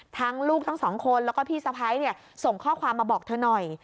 ทั้งลูกทั้ง๒คนแล้วก็พี่สะพ้ายเนี่ยส่งข้อความมาบอกเถอะหน่อย